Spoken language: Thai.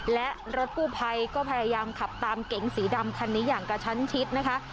และรถกู้ภัยก็พยายามขับตามเก๋งสีดำคันนี้อย่างกระชั้นชิดนะคะ